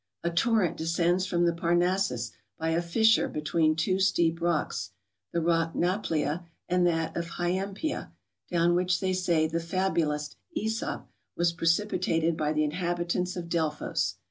A torrent descends from the Parnassus by a fissure between two steep rocks, the rock Naplia and that of Hyampeia, down which they say the fabulist ^sop was precipitated by the inhabitants of Delphos.